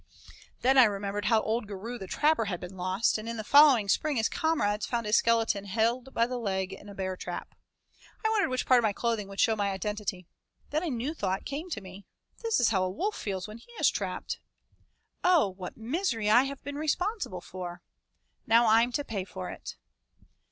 Then I remembered how old Girou the trapper had been lost, and in the following spring his comrades found his skeleton held by the leg in a bear trap. I wondered which part of my clothing would show my identity. Then a new thought came to me. This is how a wolf feels when he is trapped. Oh! what misery have I been responsible for! Now I'm to pay for it.